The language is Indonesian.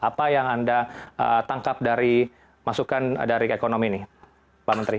apa yang anda tangkap dari masukan dari ekonomi ini pak menteri